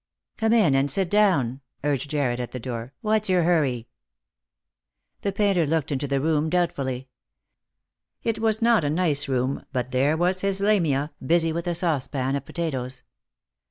" Come in and sit down," urged Jarred at the door. "What's your hurry ?" The painter looked into the room doubtfully. It was not a nice room, but there was his Lamia, busy with a saucepan of potatoes.